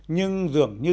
nhưng dường như